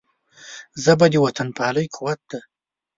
ژبه د وطنپالنې قوت دی